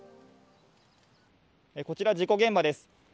こちらが事故現場です。